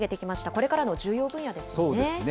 これからの重要分野ですよね。